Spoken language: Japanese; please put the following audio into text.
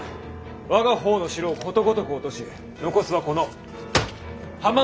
我が方の城をことごとく落とし残すはこの浜松のみ。